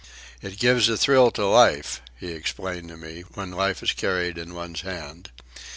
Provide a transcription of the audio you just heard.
"It gives a thrill to life," he explained to me, "when life is carried in one's hand.